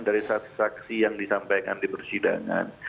dari saksi saksi yang disampaikan di persidangan